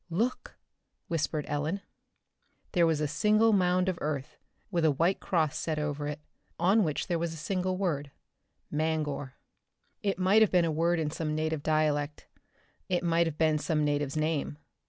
"Look!" whispered Ellen. There was a single mound of earth, with a white cross set over it, on which was the single word: Mangor. It might have been a word in some native dialect. It might have been some native's name.